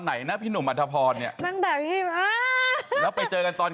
ไหนนะพี่หนุ่มอัธพรเนี่ยตั้งแต่๒๕แล้วไปเจอกันตอน